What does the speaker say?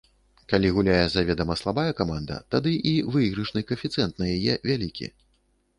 Калі гуляе заведама слабая каманда, тады і выйгрышны каэфіцыент на яе вялікі.